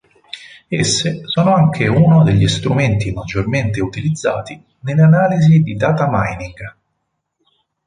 Esse sono anche uno degli strumenti maggiormente utilizzati nelle analisi di Data mining.